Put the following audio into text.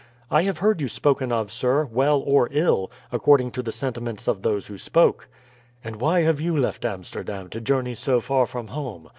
"I have heard you spoken of, sir, well or ill, according to the sentiments of those who spoke." "And why have you left Amsterdam to journey so far from home?